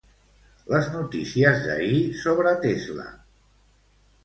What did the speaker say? Les notícies d'ahir sobre Tesla.